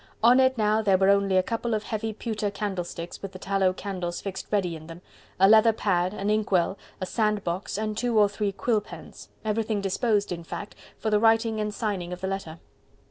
On it now there were only a couple of heavy pewter candlesticks, with the tallow candles fixed ready in them, a leather pad, an ink well, a sand box and two or three quill pens: everything disposed, in fact, for the writing and signing of the letter.